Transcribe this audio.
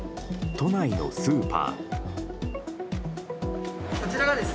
都内のスーパー。